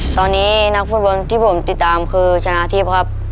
ตอนนี้นักฟุตบอลที่ผมติดตามคือชนะทิพย์ครับ